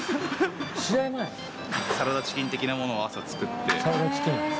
サラダチキン的なものを朝作って。